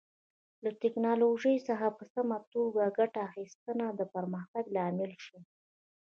له ټکنالوژۍ څخه په سمه توګه ګټه اخیستنه د پرمختګ لامل شو.